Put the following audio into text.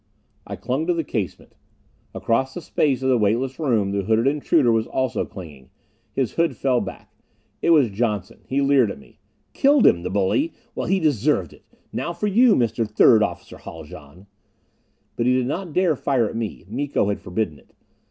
I clung to the casement. Across the space of the weightless room the hooded intruder was also clinging. His hood fell back. It was Johnson. He leered at me. "Killed him, the bully! Well, he deserved it. Now for you, Mr. Third Officer Haljan!" But he did not dare fire at me Miko had forbidden it.